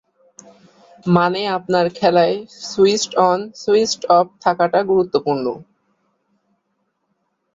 মানে আপনার খেলায় ‘সুইচড অন-সুইচড অফ’ থাকাটা গুরুত্বপূর্ণ…